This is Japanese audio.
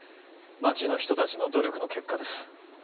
町の人たちの努力の結果です。